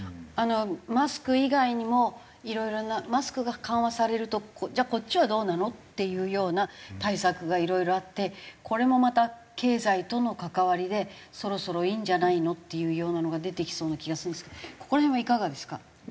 マスク以外にもいろいろなマスクが緩和されるとじゃあこっちはどうなの？っていうような対策がいろいろあってこれもまた経済との関わりでそろそろいいんじゃないの？っていうようなのが出てきそうな気がするんですけどここら辺はいかがですか？